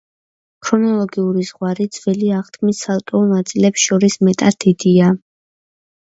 ქრონოლოგიური ზღვარი ძველი აღთქმის ცალკეულ ნაწილებს შორის მეტად დიდია.